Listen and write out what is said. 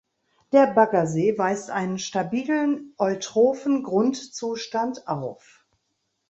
Der Baggersee weist einen stabilen eutrophen Grundzustand auf.